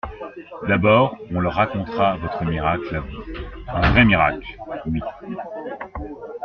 D'abord, on leur racontera votre miracle, à vous … Un vrai miracle … oui.